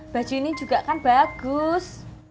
baju ini juga kan bagus